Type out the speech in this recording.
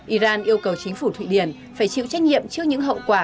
iran yêu cầu chính phủ thụy điển phải chịu trách nhiệm trước những hậu quả